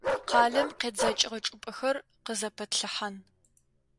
Къалэм къедзэкӏыгъэ чӏыпӏэхэр къызэпэтплъыхьан..